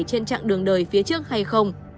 trên chặng đường đời phía trước hay không